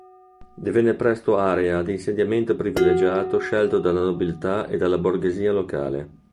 Divenne presto area di insediamento privilegiato scelto dalla nobiltà e dalla borghesia locale.